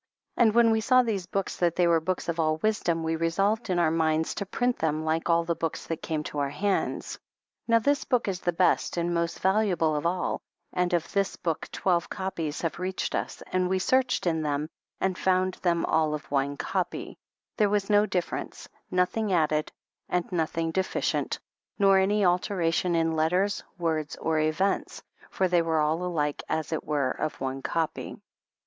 And when we saw these books, that they were books of all wisdom, we resolved in our minds to print them like all the books that came to our hands. Now this book is the best and most valuable of all, and of this book twelve copies have reached us, and we searched in them and found them all of one copy, there was no difference, nothing added and nothing deficient, nor any alteration in letters, words or events, for they were all alike as it were of one copy.